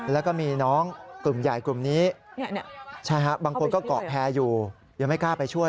แล้วก็มีน้องกลุ่มใหญ่กลุ่มนี้บางคนก็เกาะแพร่อยู่ยังไม่กล้าไปช่วย